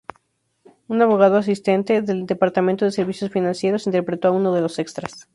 Un abogado asistente del Departamento de Servicios Financieros interpretó a uno de los extras.